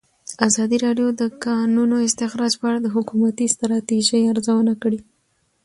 ازادي راډیو د د کانونو استخراج په اړه د حکومتي ستراتیژۍ ارزونه کړې.